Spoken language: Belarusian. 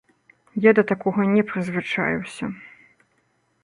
Я да такога не прызвычаіўся.